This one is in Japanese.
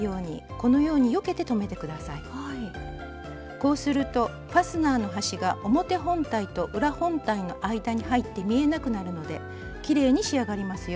こうするとファスナーの端が表本体と裏本体の間に入って見えなくなるのできれいに仕上がりますよ。